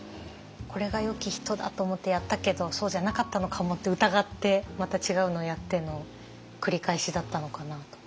これがよき人だと思ってやったけどそうじゃなかったのかもって疑ってまた違うのをやっての繰り返しだったのかなと。